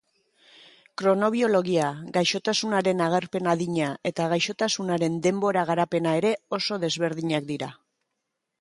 Kronobiologia, gaixotasunaren agerpen adina eta gaixotasunaren denbora-garapena ere oso desberdinak dira.